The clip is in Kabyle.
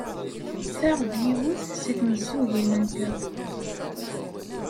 Ta d yiwet seg tmezzugin-nteɣ.